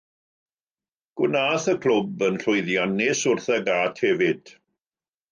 Gwnaeth y clwb yn llwydiannus wrth y gât hefyd.